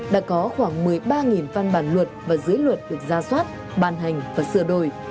đã có khoảng một mươi ba văn bản luật và dưới luật được ra soát ban hành và sửa đổi